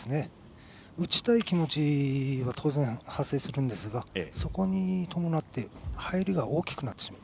打ちたい気持ちは当然発生しますがそこに伴って入りが大きくなってしまう。